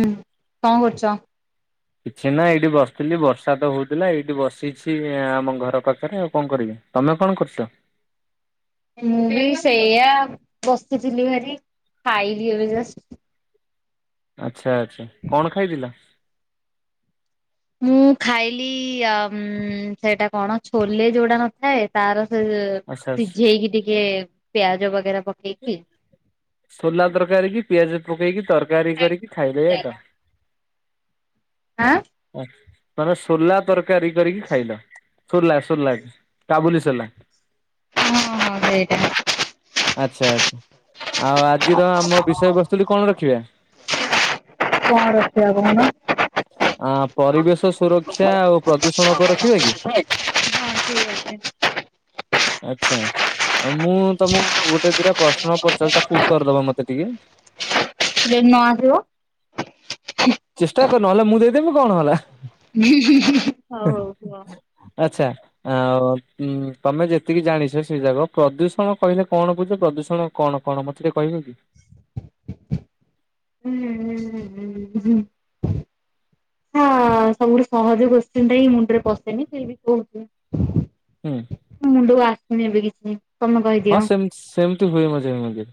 ହୁଁ କଣ କରୁଚ? କିଛି ନା ଏଇଠି ବସିଥିଲି ବର୍ଷା ତ ହଉଥିଲା ଏଇଠି ବସିଛି ଆମ ଘର ପାଖରେ ଆଉ କଣ କରିବି। ତମେ କଣ କରୁଛ? ମୁ ବି ସେଇଆ ବସିଥିଲି ଭାରି ଖାଇଲି ଏବେ ଜଷ୍ଟ। ଆଛା ଆଛା କଣ ଖାଇଥିଲ? ମୁଁ ଖାଇଲି ସେଇଟା କଣ ଛୋଲେ ଯୋଉଟା ନଥାଏ ତାର ସେ ଆଚ୍ଛା ସିଝେଇକି ଟିକେ ପିଆଜ ବଗେରା ପ ସୋଲା ତରକାରୀ କି ପିଆଜ ପକେଇକି ତରକାରୀ କରିକି ଖାଇଦେଲ। ଆଁ। ତମେ ସୋଲା ତରକାରୀ କରିକି ଖାଇଲ। ସୋଲା ସୋଲା କାବୁଲି ସୋଲା। ହଁ ହଁ ସେଇଟା। ଆଚ୍ଛା ଆଚ୍ଛା ଆଉ ଆଜିର ଆମ ବିଷୟବସ୍ତୁଟି କଣ ରଖିବା। କଣ ରଖିବା କହୁନ? ଆ ପରିବେଶ ସୁରକ୍ଷା ଉ ପ୍ରଦୂଷଣ ଉପରେ ରଖିବା କି? ହଁ ଠିକ ଅଛି। ଆଚ୍ଛା ଆଉ ମୁଁ ତମକୁ ଗୋଟେ ଦିଇଟା ପ୍ରଶ୍ନ ପଚାରୁଚି ତାକୁ ଉତ୍ତର ଦବ ମତେ ଟିକେ। ଯଦି ନ ଆସିବ? ଚେଷ୍ଟା କର ନହେଲେ ମୁଁ ଦେଇଦେବି କଣ ହେଲା। ହଉ ହଉ କୁଅ। ଆଚ୍ଛା। ଆଉ ତମେ ଯେତିକି ଜାଣିଛ ସେ ଯାକ ପ୍ରଦୂଷଣ କହିଲେ କଣ ବୁଝ ପ୍ରଦୂଷଣ? କଣ କଣ ମତେ ଟିକେ କହିବ କି? [inaudible] ହଁ ସବୁଠୁ ସହଜ କୋଶ୍ଚିନଟା ହିଁ ମୁଣ୍ଡରେ ପଶେନି ଫିର ବି କହୁଚି। ହୁଁ। ମ ମୁଣ୍ଡକୁ ଆସୁନି ଏବେ କିଛି। ତମେ ହଁ କହିଦିଅ। ସେମ ସେମିତି ହୁଏ ମଝିରେ ମଝିରେ।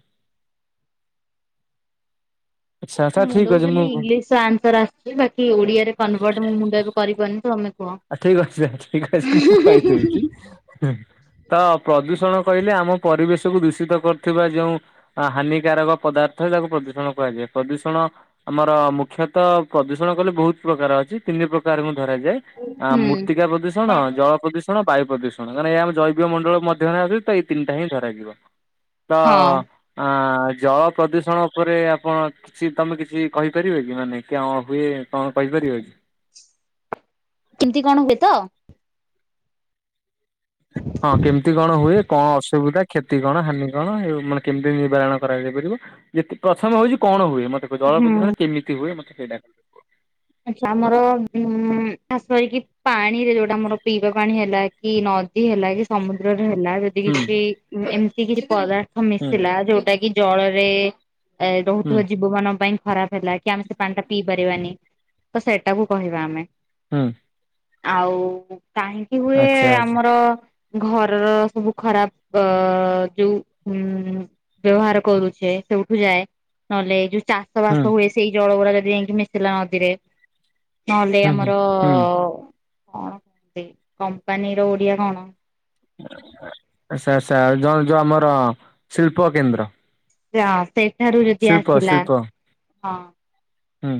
ଆଚ୍ଛା ଆଚ୍ଛା ମୋ ଠିକ ମୁଣ୍ଡକୁ ଅଛି ମୁଁ ଖାଲି ଇଂଲିଶର ଆନ୍ସାର ଆସୁଛି ବାକି ଓଡିଆରେ କନଭର୍ଟ ମୋ ମୁଣ୍ଡ ଏବେ କରିପାରୁନି ତମେ କୁହ। ଠିକ ଅଛି ଠିକ ଅଛି ମୁଁ କହିଦଉଛି। ତ ପ୍ରଦୂଷଣ କହିଲେ ଆମ ପରିବେଶକୁ ଦୂଷିତ କରୁଥିବା ଯେଉଁ ହାନିକାରକ ପଦାର୍ଥ ତାକୁ ପ୍ରଦୂଷଣ କୁହାଯାଏ ପ୍ରଦୂଷଣ। ଆମର ମୁଖ୍ୟତଃ ପ୍ରଦୂଷଣ କହିଲେ ବହୁତ ପ୍ରକାର ଅଛି, ତିନି ପ୍ରକାରଙ୍କୁ ଧରାଯାଏ। ଆଁ ହୁଁ ମୂର୍ତିକା ପ୍ରଦୁଷ ଣ ଜଳ ପ୍ରଦୂଷଣ ବାୟୁ ପ୍ରଦୂଷଣ କାରଣ ଏ ଆମ ଜୈବ ମଣ୍ଡଳ ମଧ୍ୟରେ ଆସଛି ତ ଏଇତିନିଟା ହିଁ ଧରାଯିବ। ତ ହଁ ଆ ଜଳ ପ୍ରଦୂଷଣ ଉପରେ ଆପଣ କିଛି ତମେ କିଛି କହିପାରିବ କି, ମାନେ କିଅ ହୁଏ କଣ କହିପାରିବ କି? କେମତି କଣ ହୁଏ ତ? ହଁ କେମିତି କଣ ହୁଏ, କଣ ଅସୁବିଧା, କ୍ଷତି କଣ, ହାନି କଣ ମାନେ କେମିତି ନିବାରଣ କରାଯାଇପାରିବ। ଯେତେ ପ୍ରଥମ ହଉଛି କଣ ହୁଏ ମତେ ଜଳ ହୁଁ ପ୍ରଦୂଷଣ କେମିତି ହୁଏ ମତେ ସେଇଟା ଆଛା ଆମର ଉଁ ଖାସ କରିକି ପାଣି ରେ ଯୋଉଟା ଆମର ପିଇବା ପାଣି ହେଲା। କି ନଦୀ ହେଲା କି ସମୁଦ୍ରରେ ହେଲା ଯ ହୁଁ କିଛି ଏମିତି କିଛି ପଦାର୍ଥ ହୁଁ ମିଶିଲା ଯୋଉଟା କି ଜଳରେ ଏ ହୁଁ ରହୁଥିବା ଜୀବ ମାନଙ୍କ ପାଇଁ ଖରାପ ହେଲା କି ଆମେ ସେ ପାଣି ଟା ପିଇ ପାରିବାନି। ତ ସେଇଟାକୁୁ କହିବା ଆମେ। ହୁଁ। ଆଉ କାହିଁକି ହୁଏ ଆଚ୍ଛା ଆଚ୍ଛା ଆମର ଘରର ସବୁ ଖରାପ ଅ ଯୋଉ ବ୍ୟବହାର କରୁଛେ ସେଉଠୁ ଯାଏ ନହେଲେ ଯୋଉ ଚା ଚାଷ ହୁଁ ବାସ ହୁଏ ସେଇ ଜଳ ଗୁଡା ଯଦି ଯାଇକି ମିଶିଲା ନଦୀରେ ନହେଲେ ହୁଁ ହୁଁ ଆମର ହୁଁ କଣ କହନ୍ତି କମ୍ପାନୀର ଓଡିଆ କଣ? ସ ସ ଜ ଯୋଉ ଯୋଉ ଆମର ଶିଳ୍ପ କେନ୍ଦ୍ର ହ ସେଇଠାରୁ ଯଦି ଶିଳ୍ପ ଆସିଲା ଶିଳ୍ପ ହଁ। ହୁଁ।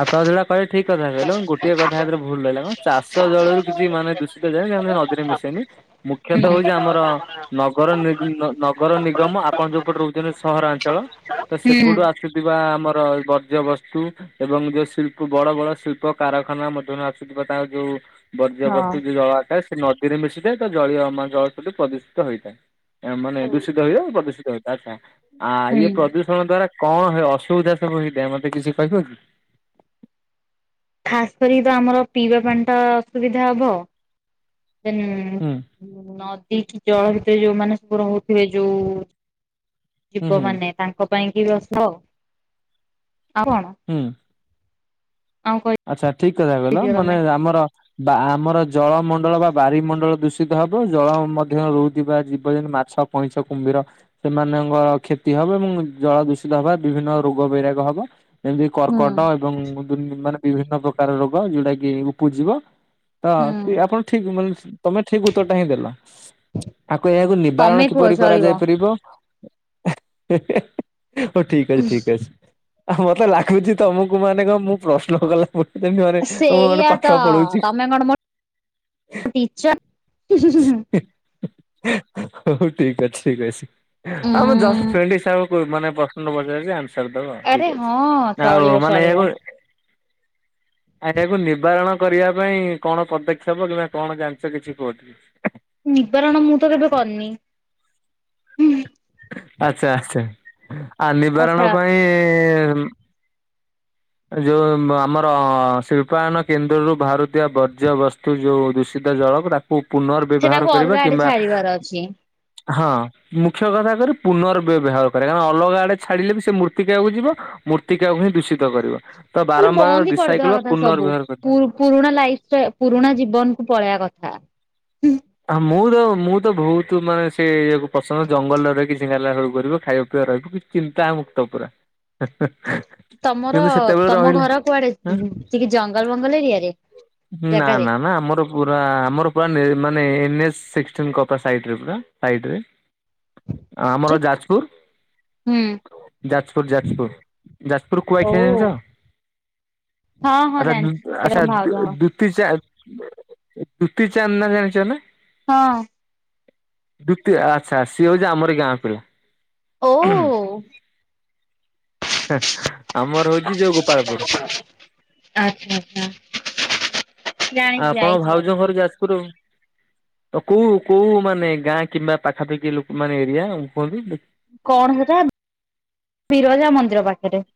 ଆପଣ ଯୋଉଟା କହିଲେ ଠିକ୍ କଥା କହିଲେ ଗୋଟେ କଥା ଏଥିରେ ଭୁଲ ରହିଲା କଣ ଚାଷ ଜଳରୁ କିଛି ମାନେ ଦୁଷି ଯା ନଦୀରେ ମିଶେନି ମୁଖ୍ୟତଃ ହଉଛି ଆମର ନଗର ନଗରନିଗମ ଆପଣ ଯୋଉପଟେ ରହୁଚନ୍ତି ସହରାଞ୍ଚଳ ତ ସେପଟୁ ଆସୁଥିବା ଆମର ବର୍ଜ୍ୟବସ୍ତୁ ଏବଂ ଯୋଉ ଶିଳ୍ପ ବଡ ବଡ ଶିଳ୍ପ କାରଖାନା ମଧ୍ୟରୁ ଆସୁଥିବା ତାଙ୍କ ଯୋଉ ବର୍ଜ୍ୟବସ୍ତୁ ଯଉ ଜଳ ଆକାର ରେ ସେ ନଦୀରେ ମିଶିଥାଏ ତା ଜଳୀୟ ଜଳ ସେଠୁ ପ୍ରଦୂଷିତ ହୋଇଥାଏ। ମାନେ ଦୂଷିତ ହୁଏ ଆ ପ୍ରଦୂଷିତ ହଇଥାଏ ଆଚ୍ଛା ଆ ହଁ ଇଏ ପ୍ରଦୂ ଦ୍ଵାରା କଣ ଅସୁବିଧା ସବୁ ହେଇଥାଏ ମତେ କିଛି କହିବ କି? ଖାସ୍ କରିକି ତ ଆମର ପିଇବା ପାଣି ଟା ଅସୁବିଧା ହବ ଦେନ୍ ହୁଁ। ନଦୀ ଜଳ ଭିତରେ ଯୋଉମାନେ ସବୁ ରହୁଥିବେ ଯୋଉ ହୁଁ ଜୀବ ମାନେ ହୁଁ ତାଙ୍କ ପାଇଁ କି ବ୍ୟସ୍ତ ଆଉ କଣ ହୁଁ। ଆଉ ଆଚ୍ଛା ଠିକ କଥା କିଇଲ କହିଦିଅ ତମେ। ମାନେ ଆମର ବା ଆମର ଜଳମଣ୍ଡଳ ବା ବାରିମଣ୍ଡଳ ଦୂଷିତ ହବ ଜଳ ମଧ୍ୟ ରହୁଥିବା ଜୀବ ଯେ ମାଛ କଇଁଛ କୁମ୍ଭୀର ସେମାନଙ୍କର କ୍ଷତି ହବ ଏବଂ ଜଳ ଦୂଷିତ ହବା ବିଭିନ୍ନ ରୋଗ ବୈରାଗ ହବ। ଯେମିତି ହୁଁ କର୍କଟ ଏବଂ ମାନେ ବିଭିନ୍ନ ପ୍ରକାର ରୋଗ ଯୋଉଟା କି ଉପୁଜିବ। ହଁ ହୁଁ କି ଆପଣ ଠିକ ମାନେ ତମେ ଠିକ ଉତ୍ତର ଟା ହିଁ ଦେଲ। ଆକୁ ଏହାକୁ ନିବାରଣ ତମେ କୁହ କିପରି ଚଳିବ। କରାଯାଇ ପାରିବ? [inaudible] ହଉ ଠିକ ଅଛି ଠିକ ଅଛି। ଆଉ ମତେ ଲାଗୁଛି ତମକୁ ମାନେ କଣ ମୁଁ ପ୍ରଶ୍ନ କଲା ଯେମିତି ମାନେ ତମକୁ ମାନେ ସେଇଆ ତ ପାଠ ପଢ଼ଉଚି ତମେ କଣ ମୋ ଟିଚର [inaudible] [inaudible] ହଉ ଠିକ ଅଛି ଠିକ ଅଛି ଉଁ ଆମ ଜଷ୍ଟ ଫ୍ରେଣ୍ଡ ହିସାବରେ ମାନେ ପ୍ରଶ୍ନ ପଚାରୁଚି ଆନ୍ସର ଦେବ ଆରେ ଠିକ ଅଛି ହଁ ଚଳିବ ଆଉ ମାନେ ଚଳିବ। ଏବେ ଆ ଏଟାକୁ ନିବାରଣ କରିବା ପାଇଁ କଣ ପଦକ୍ଷେପ କିମ୍ବା କଣ ଜାଣିଛ କିଛି କୁହ? ନିବାରଣ ମୁଁ ତ କେବେ କରିନି ଆଚ୍ଛା ଆଚ୍ଛା ଆ ନିବାରଣ ଆଚ୍ଛା ପାଇଁ ଯୋଉ ଆମର ଶିଳ୍ପାୟନ କେନ୍ଦ୍ରରୁ ବାହାରୁଥିବା ବର୍ଜ୍ୟବସ୍ତୁ ଯୋଉ ଦୂଷିତ ଜଳ ଗୁରା ଓ ପୁନର୍ବ୍ୟବହାର ସେଟାକୁ କରିବା ଅଲଗା ଆଡେ କିମ୍ବା ଛାଡିବାର ଅଛି ହଁ ମୁଖ୍ୟ କଥା କରେ ପୁନର୍ବ୍ୟବହାର କରିବା କାରଣ ଅଲଗା ଆଡେ ଛାଡିଲେ ବି ସେ ମୂର୍ତ୍ତିକା କୁ ଯିବ। ମୂର୍ତ୍ତିକାକୁ ହିଁ ଦୂଷିତ କରିବ। ତ ତାହେଲେ ବାରମ୍ବାର ବନ୍ଦ ହି କରିଦବା ରିସାଇକେଲ ବା କଥା ସବୁ ପୁନର୍ବ୍ୟବହାର କରି ପୁରୁଣା ଲାଇଫ ଷ୍ଟା ପୁରୁଣା ଜୀବନକୁୁ ପଳେଇବା କଥା। ହ ମୁଁ ତ ମୁଁ ତ ବହୁତ ମାନେ ସେ ଇଏକୁ ପସନ୍ଦ ଜଙ୍ଗଲରେ ରହିକି ଜିଙ୍ଗାଲାଲା ହୁ କରିବ ଖାଇବା ପିଇବା ରହିବ ଚିନ୍ତା ମୁକ୍ତ ପୁରା [inaudible] ତମର କିନ୍ତୁ ସେତେବେଳେ ତମ ରହିଲେ ଘର କୁଆଡେ ଟିକେ ଜଙ୍ଗଲ ବଙ୍ଗଲ ଏରିଆରେ ନା ଜାଗାରେ? ନା ନା ଆମର ପୁରା ଆମର ପୁରା ମାନେ ଏନ୍ ଚେ ସିକ୍ସଟିନ୍ କପା ସାଇଡ୍ ରେ ପୁରା ସାଇଡ୍ ରେ। ଆମର ଯାଜପୁର ହୁଁ। ଯାଜପୁର ଯାଜପୁର। ଯାଜପୁର କୁଆଖିଆ ହଉ। ଜାଣିଛ ହଁ ହଁ ଆଚ୍ଛା ଯୁ ଜାଣିଛି ସେଟା ଆଛା ମୋ ଭାଉଜଙ୍କ ଦୁ ଦୂତୀଚାନ୍ଦ ଦୂତୀଚାନ୍ଦ ନାଁ ଜାଣିଛ ନା? ହଁ। ଦୁତି ଆଚ୍ଛା ସିଏ ହଉଛି ଆମରି ଗାଁ ପିଲା। ଓ। ଆମର ହଉଛି ଯୋଉ ଗୋପାଳପୁର। ଆଚ୍ଛା ଆଚ୍ଛା। ଜାଣିଛି ଆଉ ଆପଣ ଯାଇଛି ଭାଉଜ ଯାଇଛି। ଘର ଯାଜପୁର। କେଉଁ କେଉଁ ମାନେ ଗାଁ କିମ୍ବା ପାଖାପାଖି ଲୋକମାନେ ଏରିଆ କୁହନ୍ତୁ। କଣ ସେଟା ବିରଜା ମନ୍ଦିର ପାଖରେ।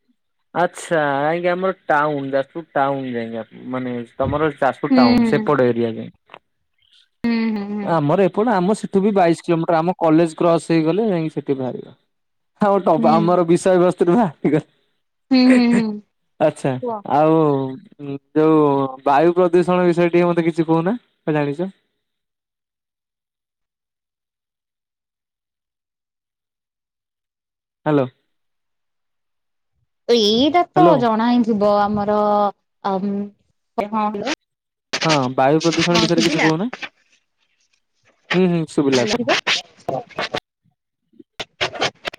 ଆଚ୍ଛା ଆଜ୍ଞା ଆଇକି ଆମର ଟାଉନୁ ଯାଜପୁର ଟାଉନ୍ ରେ ହିଁ ଆପ ମାନେ ତମର ଯାଜପୁର ହୁଁ। ଟାଉନ ସେପଟ ଏରିଆରେ। ହୁଁ ହୁଁ ଆମର ଏପଟ ଆମ ସେପ ଏଠୁ ବି ବାଇଶ କିଲୋମିଟର ଆମ କଲେଜ କ୍ରସ ହେଇଗଲେ ଯାଇକି ସେଠି ବାହାରିବ। କଥା ବାର୍ତା ହେବା ହୁଁ ହୁଁ ଆମର ହୁଁ ବିଷୟବସ୍ତୁ ନେବା ଠୀକ ଅଛି। ହେଁ ହୁଁ ହୁଁ ହେଁ ହୁଁ ଆଛା କୁହ। ଆଉ ଯୋଉ ବାୟୁ ପ୍ରଦୂଷଣ ବିଷୟରେ ଟିକେ ମତେ କିଛି କହୁନା ତମେ କଣ ଜାଣିଛ। ହ୍ୟାଲୋ। ଏଇଟା ତ ହ୍ୟାଲୋ ଜଣା ହିଁ ଥିବ ଆମର ଆ କଣ ହଁ ବାୟୁ ପ୍ରଦୂଷଣ ବିଷୟରେ କିଛି କହୁନା ହୁଁ ହୁଁ ଶୁଭିଲା ହ୍ୟାଲୋ ଏଥର। [inaudible]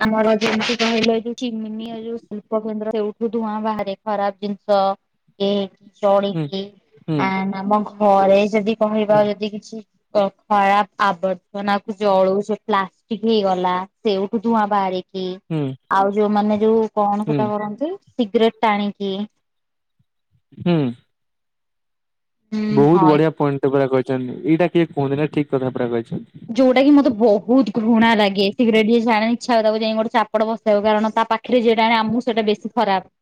ଆମର ଯେମତି କହିଲନିକି ମିନି ଅ ଏ ଯୋଉ ଶିଳ୍ପ କେନ୍ଦ୍ର ସେଉଠୁ ଧୂଆଁ ବାହାରେ ଖରାପ ଜିନିଷ। ଏଠି ହୁଁ ଚଢକି ହୁଁ ଆ ଆମ ଘରେ ଯଦି ହୁଁ କହିବା ଯଦି କିଛି - ଖରାପ ଆବର୍ଜନା କୁ ଜଳଉଛେ ପ୍ଲାଷ୍ଟିକ ହେଇଗଲା ସେ ଧୁଆ ବାହରିକି ହୁଁ। ଆଉ ଯୋଉମାନେ ଯୋଉ କଣ ହୁଁ ସେଟା କରନ୍ତି ସିଗରେଟ ଟାଣିକି। ହୁଁ। ହୁଁ ବହୁତ ହଁ ବଢିଆ ପଏଣ୍ଟ ପୁରା କହିଛନ୍ତି ଏଇଟା କିଏ କୁହନ୍ତି ନା ଠିକ କଥା ପୁରା କହିଛନ୍ତି। ଯୋଉଟା କି ମତେ ବହୁତ ଘୃଣା ଲାଗେ ସିଗ୍ରେଟ ଟିକେ ଆଣେ ଇଚ୍ଛା ହବ ତାକୁ ଯାଇ ଗୋଟେ ଚାପଡା ବସେଇ ହବ କାରଣ ତା ପାଖରେ ପାଖରେ ଯିଏ ଟାଣେ ଆମକୁ ସେଇଟା ବେଶୀ ଖରାପ।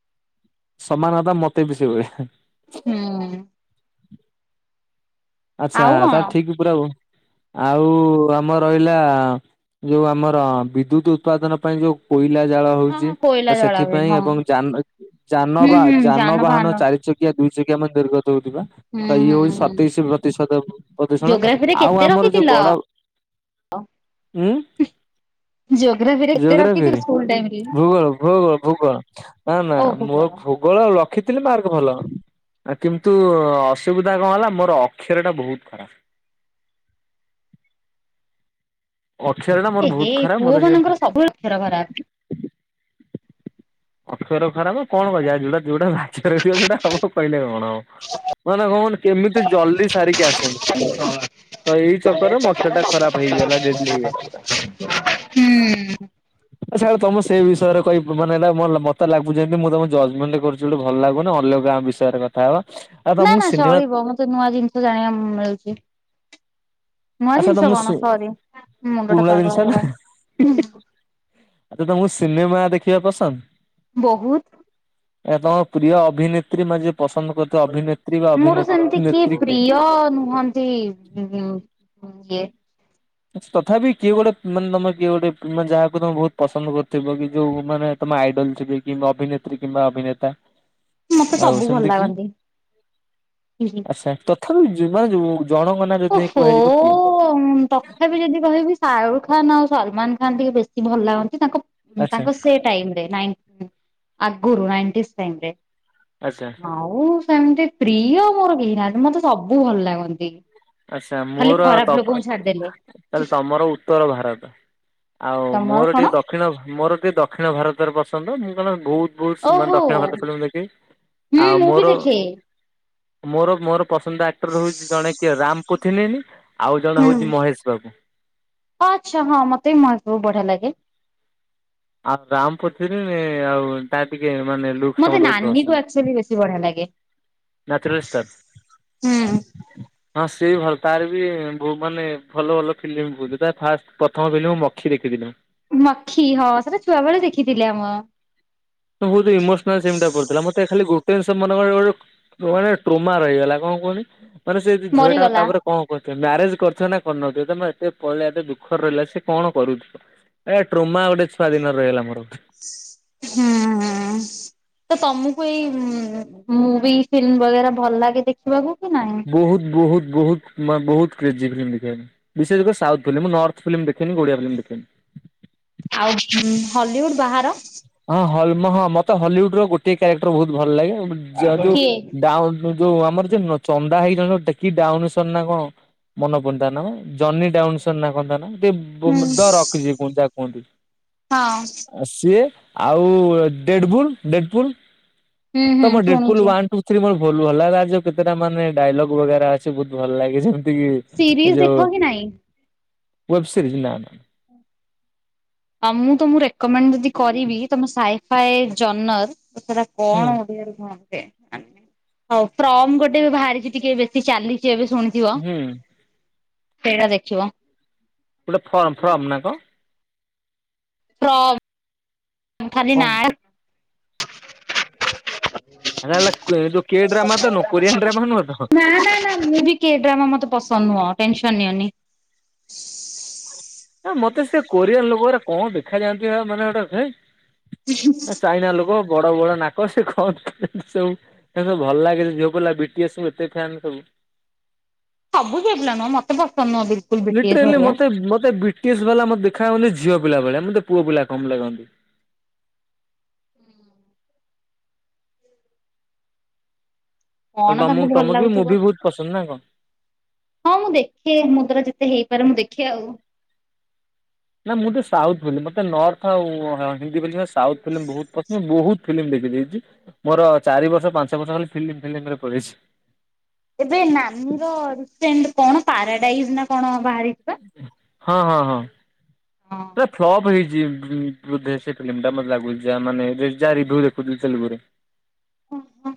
ସମାନ କଥା ମତେ ବି ସେଇ ଭଳିଆ। ହୁଁ। ଆଚ୍ଛା ଆଉ କଣ? ତାହେଲେ ଠିକ ପୁରା ହବ। ଆଉ ଆମର ରହିଲା ଯୋଉ ଆମର ବିଦ୍ୟୁତ ଉତ୍ପାଦନ ପାଇଁ ଯୋଉ କୋଇଲା ଜାଳ ହଁ ହଉଛି ହଁ କୋଇଲା ତ ଜଳା ହୁଏ ସେଥିପାଇଁ ହଁ ଏବଂ ଯାନ ହୁଁ ଯାନବା ହୁଁ ଯାନବାହାନ ଚାରି ଚକିଆ ଦୁଇ ଚକିଆ ମାନେ ନିର୍ଗତ ହଉଥିବା। ହୁଁ ତ ଇଏ ହୁଁ ହଉଛି ହୁଁ ସତେଇଶ ପ୍ରତିଶତ ପ୍ରଦୂଷଣ ଜୋଗ୍ରାଫିରେ ଆଉ କେତେ ଆମର ଯୋଉ ରଖିଥିଲ? ବଡ ଉଁ। ଜୋଗ୍ରାଫିରେ ଏତେ ଜୋଗ୍ରାଫି ରଖିଥିଲି ରେ ସ୍କୁଲ ଟାଇମ ରେ। ଭୂଗୋଳ ଭୂଗୋଳ ଭୂଗୋଳ ନା ନା ଓ ମୁଁ ଭୂଗୋଳ ଭୂଗୋଳ ରଖିଥିଲି ମାର୍କ ଭଲ କିନ୍ତୁ ଅସୁବିଧା କଣ ହେଲା ମୋର ଅକ୍ଷରଟା ବହୁତ ଖରାପ। ଅକ୍ଷରଣ ଏ ହେ ପୁଅ ମାନଙ୍କର ସବୁବେଳେ ଅକ୍ଷର ଖରାପ। ଅକ୍ଷର ଖରାପ କଣ କରିବା ଯୋଉଟା ଯୋଉଟା ଭାଗ୍ୟରେ ଥିବ ସେଇଟା ହବ କହିଲେ କଣ ହବ। ମାନେ କଣ କୁହନା କେମିତି ଜଲଦି ସାରିକି ଆସେନି। [inaudible] ତ ଏଇ ଚକରରେ ମୋ ଅକ୍ଷର ଟା ଖରାପ ହେଇଗଲା ଡେଲି ହେଇଗଲା ପୁରା। ହୁଁ। ଆ ସେ ତମେ ସେଇ ବିଷୟରେ କହିବ ମାନେ ହେଲା ମତେ ଲାଗୁ ଯେମତି ମୁଁ ତ ଜଜମେଣ୍ଟ କରୁଛି ଗୋଟେ ଭଲ ଲାଗୁନ ଅଲଗାଁ ବିଷୟରେ କଥା ହେବା। ନା ନା ଚଳିବ ମତେ ନୂଆ ଜିନିଷ ଜାଣିବା ମିଳୁଛି। ନୂଆ ଆଚ୍ଛା ଜିନିଷ ତମକୁ ସି କଣ ସରି ମୁଣ୍ଡଟା ପୁରୁଣା ଜିନିଷ ପାଗଳ ନା ହେଇଗଲାଣି। ଆଚ୍ଛା ତମକୁ ସିନେମା ଦେଖିବା ପସନ୍ଦ? ବହୁତ। ଏ ତମ ପ୍ରିୟ ଅଭିନେତ୍ରୀ, ମା ଯ ପସନ୍ଦ କରୁ ମୋର ସେମିତି କିଏ ପ୍ରିୟ ନୁହନ୍ତି। ହୁଁ ହ [inaudible] ତଥାପି କିଏ ଗୋଟେ ମାନେ, ତମେ କିଏ ଗୋଟୋନେ ଯାହାକୁ ତମେ ବହୁତ ପସନ୍ଦ କରୁଥିବ, କି ଯୋଉ ମାନେ ତମ ଆଇଡଲ ଥିବ କିମ୍ବା ଅଭିନେତ୍ରୀ କିମ୍ବା ଅଭିନେତା। ମତେ ଆଉ ସବୁ ଭଲ ସେମିତି କିଏ? ଲାଗନ୍ତି ହ। ଥିବ ଯେ ମାନେ ଜଣଙ୍କ ନା ଓହୋ ତଥାପି ଯଦି କହିବି ସାରୁ ଖାଁ ଖନ୍ ଆଉ ସଲମାନ ଖାନ୍ ଟିକେ ବେଶୀ ଭଲ ଲାଗନ୍ତି। ତାଙ୍କ ଆଚ୍ଛା। ତାଙ୍କ ସେ ଟାଇମ ରେ, ଆଗରୁ ନାଇଣ୍ଟିନଟାଇମ ରେ ଆଚ୍ଛା। ଆଉ ସେମିତି ପ୍ରିୟ ମୋର କେହି ନାହାନ୍ତି। ମତେ ସବୁ ଭଲ ଲାଗନ୍ତି। ଆଚ୍ଛା ଖାଲି ମୋର ଖରାପ ତ ଲୋକଙ୍କୁ ଛାଡିଦେଲେ ତାହେଲେ ତମର ଉତ୍ତର ଭାରତ। ଆଉ ତମର ମୋର କଣ? ଟିକେ ଦକ୍ଷିଣ ଭାରତ। ଦକ୍ଷିଣ ମୋର ଟିକଏ ଦକ୍ଷିଣ ଭାରତରେ ପସନ୍ଦ। ମୁଁ କାରଣ ଓହୋ ବହୁତ [unintelligible] ହୁଁ ଆଉ ମୁଁ ବି ମୋର ଦେଖେ। ମୋର ମୋର ପସନ୍ଦ ଆକ୍ଟର ହେଉଛି ଜଣେ କିଏ ରାମ ପୁଥିନନୀ ଆଉ ଜଣେ ହେଉଛି ମହେଶ ବାବୁ। ଆଚ୍ଛା ହଁ ମତେ ବି ମହେଶ ବାବୁ ବହୁତ ବଢିଆ ଲାଗେ। ଆଉ ରାମ ପୁଥାନାନୀ ଆଉ ତା ଟିକିେ ମାନେ ଲୁକ୍ସ ମତେ ତମର ବହୁତ ନାନୀକୁ ପସନ୍ଦ। ଆକ୍ଚୁଆଲି ବେଶୀ ବଢିଆ ଲାଗେ। ନାଚିଲେ ଷ୍ଟାର୍ ହଁ ସିଏ ବି ଭଲ ତାର ବି ମାନେ ଭଲ ଭଲ ଫିଲ୍ମ କହୁଥିଲେ ତା ଫାଷ୍ଟ ପ୍ରଥମ ଫିଲ୍ମ ମଖି ଦେଖିଥିଲି। ମଖି ହଁ ସେଇଟା ଛୁଆ ବେଳେ ଦେଖିଥିଲେ ଆମ ସେ ବହୁତ ଇମୋସନେଲ କରୁଥିଲା। ମତେ ଖାଲି ଗୋଟିଏ ସିନ ମାନେ ଟ୍ରୋମା ରହିଗଲା କଣ କୁହନି ମାନେ ସେ ଝିଅ ଟା ମରିଗଲା। ତାପରେ କଣ କରୁଥେ ମ୍ୟାରେଜ କରିଥିବ ନା କରିନଥିବ ତମେ ଏତେ ପଳେଇା ଏତେ ଦୁଃଖ ରହିଲା ସେ କଣ କରୁଥିବ। ଏ ଟ୍ରୋମା ଗୋଟେ ଛୁଆ ଦିନ ରହିଲା ମୋର। ହଁ। ହଁ। ତ ତମକୁ ଏଇ ମୁଭି ଫିଲ୍ମ ବଗେରା ଭଲ ଲାଗେ ଦେଖିବାକୁ କି ନହିଁ? ବହୁତ, ବହୁତ, ବହୁତ, ମାନେ ବହୁତ କ୍ରେଜି। [unintelligible] ବିଶେଷ କରି ସାଉଥ ଫିଲ୍ମ। ମୁ ନର୍ଥ ଫିଲ୍ମ ଦେଖନି। ଓଡିଆ ଫିଲ୍ମ ଦେଖନି। ଆଉ ହଲିଉଡ ବାହାର? ହଁ ହଁ ମତେ ହଲିଉଡ ର ଗୋଟଏ କ୍ୟାରେକ୍ଟର ବହୁତ ଭଲ ଲାଗେ। କିଏ? ଯୋଉ ଯୋଉ ଆମର ଯେ ଚନ୍ଦା ହେଇଟ କି ଡାଉନସର ନା କଣ ମନ ପଡୁନି ତା ନା ଜନି ଡାଉନ୍ସନ୍ ନାଁ କଣ ନା। ହୁଁ [unintelligible] ରଖିଛି କୁହ ଯା କୁହନ୍ତି ହଁ ଆ ସିଏ ଆଉ ଡେଡବୁଲ ଡେଡପୁଲ। ହୁଁ ହୁଁ ତମ ଡେଟବ୍ଲୁ ଶୁଣିଛି ୱାନ ଟୁ ତ ମର ଭଲ ଭଲାଗାର ଯୋଉତଟା ମାନେ ଡାଇଲଗ୍ ବରା ଅଛି ବହୁତ ଭଲ ଲାଗେ ଯେମିତି କି ସିରିଜ ଯୋଉ ଦେଖ କି ନାଇଁ? ୱେବ ସିରି୍ଜି ନା। ଆଉ ମୁଁ ତମକୁ ରେକମେଣ୍ଡ ଯଦି କରିବି ତମେ ସାଇଫଏ ଜନତ ହୁଁ କଣ ଓଡିଆରେ କୁହନ୍ତି। ହଉ ଫ୍ରମ ଗୋଟେ ବି ବାହାରିଛି ଟିକେ ବେଶୀ ଚାଲିଛି ଏବେ ଶୁଣିଛ? ଥିବ ହୁଁ ସେଇଟା ଦେଖିବ। ଗୋଟେ ଫର୍ମ ଫର୍ମ ନା କଣ? ଫର୍ମ ଖାଲି କଣ ନା ଟା। ହେରା ହେଲା ଯୋଉ କେ ଡ୍ରାମା ତ ନୁହଁ କୋରିଆନ ଡ୍ରାମା ନୁହଁ ତ [unintelligible] ନା, ନା, ନା, ମୁଁ ବି କି ଡ୍ରାମା ମତେ ପସନ୍ଦ ନୁହଁ ଟେନସନ ନିଅନି। ମତେ ସେ କୋରିଆନ୍ ଲୋକରେ କଣ ଦେଖା ଯାଆନ୍ତି, ମାନେ ଗୋଟେ ହେଁ ଚାଇନା ଲୋକ ବଡ-ବଡ ନାକ ସେ କଣ ସବୁ? [inaudible] ସବୁ ଭଲ ଲାଗେ ଯୋଉ ଝିଅ ପିଲା ବି ଟି ଏସ୍ ଏତେ ଫ୍ୟାନ୍ ସବୁ। ସବୁ ପିଲା ନୁହଁ ମୋତେ ପସନ୍ଦ ନୁହଁ। ବିଟିଏସ୍ ଲିଟେରାଲି ହେରିକା। ମୋତେ-ମୋତେ ବି ଟି ଏସ୍ ବାଲା ମୋତେ ଦେଖାହୁଅନ୍ତି ଝିଅ ପିଲା ଭଳିଆ ମୋତେ ପୁଅ ପିଲା କମ୍ ଲାଗନ୍ତି। ଆଉ କଣ ତମ ତାଙ୍କୁ ଭଲ ତମକୁ ବି ଲାଗୁଥିବ ମୁଭି ବହୁତ ପସନ୍ଦ ନା କଣ? ହଁ ମୁଁ ଦେଖେ ମୋ ଦ୍ଵାରା ଯେତେ ହେଇପାରେ ମୁଁ ଦେଖେ ଆଉ। ନା ମୋତେ ସାଉଥ ଫିଲ୍ମ ମୋତେ ନର୍ଥ ଆଉ ହିନ୍ଦୀ ଫିଲ୍ମ ସାଉଥ ଫିଲ୍ମ ବହୁତ ପସନ୍ଦ ବହୁତ ଫିଲ୍ମ ଦେଖିଦେଇଛି ମୋର ଚାରି ବର୍ଷ ପାଞ୍ଚ ବର୍ଷ ଖାଲି ଫିଲ୍ମ- ଫିଲ୍ମ ରେ ପଳେଇଛି। ଏବେ ନାନୀର ରସେଣ୍ଟ କଣ ପାରାଡାଇଜ୍ ନା କଣ ବାହାରିଛି? ପା। ହଁ-ହଁ-ହଁ ହଁ। ସେଇଟା ଫ୍ଲପ୍ ହେଇଛି। ଯି [inaudible] ବୋଧେ ସେ ଫିଲ୍ମ ଟା ମୋତେ ଲାଗୁଛି ମାନେ ଯାହା ରିଭ୍ୟୁ ଦେଖୁଥିଲି ତେଲୁଗୁରେ। ଓ ହୋ।